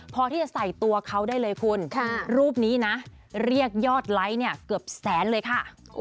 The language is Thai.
พอที่จะใส่ตัวเขาได้เลยคุณรูปนี้นะเรียกยอดไลค์เนี่ยเกือบแสนเลยค่ะ